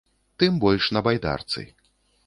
Тым больш на байдарцы.